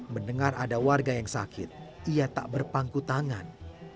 mendengar ada warga yang sakit ia tak berpangku tangan